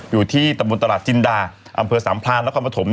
อยู่ที่ตะบุญตลาดจินดาอำเภอสามพลานละความประถม